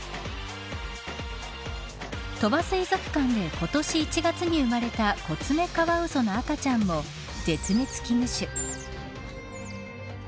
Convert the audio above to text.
鳥羽水族館で今年１月に生まれたコツメカワウソの赤ちゃんも絶滅危惧種。